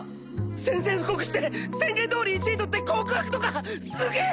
宣戦布告して宣言どおり１位取って告白とかすげえ！